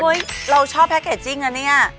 เราชอบแพ็คเกจจิ้งนะเนี่ย